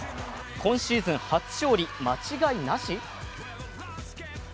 今シーズン初勝利間違いなし。